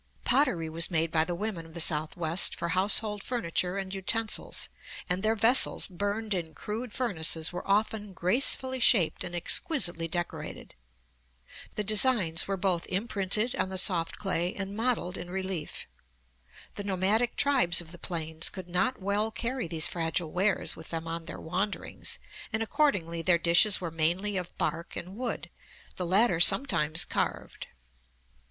Pottery was made by the women of the Southwest for household furniture and utensils, and their vessels, burned in crude furnaces, were often gracefully shaped and exquisitely decorated. The designs were both imprinted on the soft clay and modeled in relief. The nomadic tribes of the plains could not well carry these fragile wares with them on their wanderings, and accordingly their dishes were mainly of bark and wood, the latter sometimes carved.